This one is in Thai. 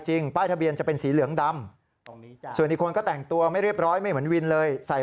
จริงป้ายทะเบียนจะเป็นสีเหลืองดำจะเป็นสีเหลืองดำส่วนที่คนก็แต่งตัวไม่เรียบร้อยไม่เหมือนวินเลยสาย